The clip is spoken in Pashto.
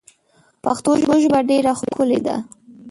پښتو ژبه ډېره ښکلې ده.